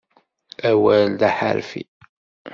Awal d aḥerfi.